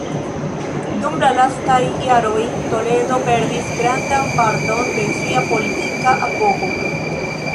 Dum la lastaj jaroj, Toledo perdis grandan parton de sia politika apogo.